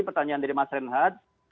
pertanyaan dari mas renhad